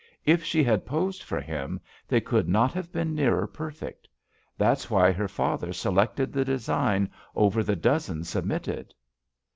If she had posed for him, they could not have been nearer perfect. That's why her father selected the design over the dozens sub mitted."